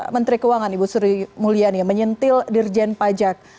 menteri keuangan ibu sri mulyani menyentil dirjen pajak